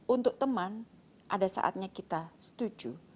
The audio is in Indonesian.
untuk teman ada saatnya kita setuju